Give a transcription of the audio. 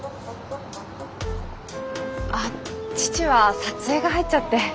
あ父は撮影が入っちゃって。